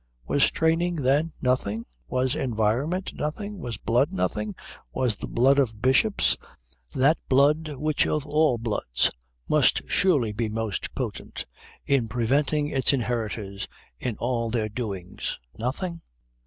Was training then nothing? Was environment nothing? Was blood nothing? Was the blood of bishops, that blood which of all bloods must surely be most potent in preventing its inheritors in all their doings, nothing?